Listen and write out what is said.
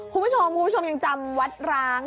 คุณผู้ชมยังจำวัดร้าง